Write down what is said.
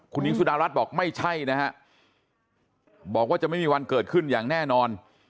คุณหญิงสุดารัฐบอกไม่ใช่นะฮะบอกว่าจะไม่มีวันเกิดขึ้นอย่างแน่นอน